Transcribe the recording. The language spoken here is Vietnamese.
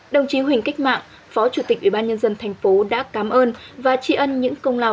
đồng chí huỳnh cách mạng phó chủ tịch ủy ban nhân dân tp hcm đã cảm ơn và tri ân những công lao